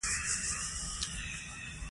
د باران ږغ د زړه سکون دی.